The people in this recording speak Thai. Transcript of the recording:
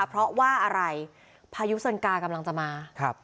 เพราะว่าอะไรพายุเซินกากำลังจะมาครับ